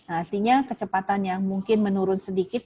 artinya kecepatan yang mungkin menurun sedikit